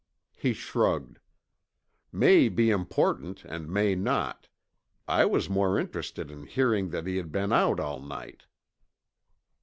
He shrugged. "May be important and may not. I was more interested in hearing that he had been out all night."